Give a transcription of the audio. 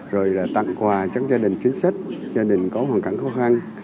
rồi là tặng quà cho gia đình chính sách gia đình có hoàn cảnh khó khăn